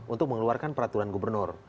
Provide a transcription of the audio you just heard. untuk mengeluarkan peraturan gubernur